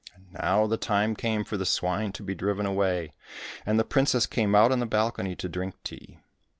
And now the time came for the swine to be driven away, and the princess came out on the balcony to drink tea.